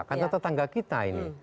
kan tetangga kita ini